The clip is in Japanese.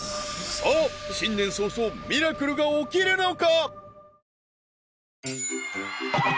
さあ新年早々ミラクルが起きるのか？